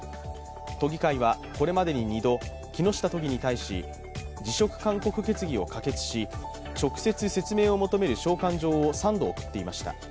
都議会はこれまでに２度、木下都議に対し辞職勧告決議を可決し直接、説明を求める召喚状を３度送っていました。